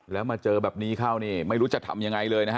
แล้วมาเจอแบบนี้เข้านี่ไม่รู้จะทำยังไงเลยนะฮะ